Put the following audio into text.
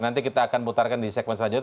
nanti kita akan putarkan di segmen selanjutnya